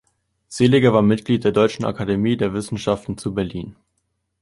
Seeliger war Mitglied der Deutschen Akademie der Wissenschaften zu Berlin.